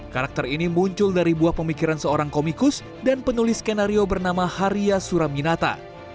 karakter ini muncul dari buah pemikiran seorang komikus dan penulis skenario bernama haria suraminata